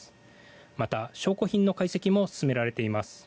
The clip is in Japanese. また、証拠品の解析も進められています。